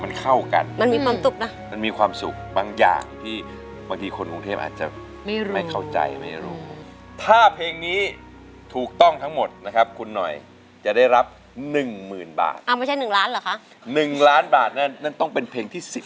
มันเข้ากันมันมีความสุขนะมันมีความสุขบางอย่างที่บางทีคนกรุงเทพอาจจะไม่รู้ไม่เข้าใจไม่รู้ถ้าเพลงนี้ถูกต้องทั้งหมดนะครับคุณหน่อยจะได้รับหนึ่งหมื่นบาทอ้าวไม่ใช่๑ล้านเหรอคะ๑ล้านบาทนั่นนั่นต้องเป็นเพลงที่สิบ